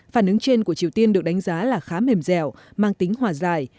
phản ứng trên của triều tiên được đánh giá là khá mềm dẻo mang tính hòa giải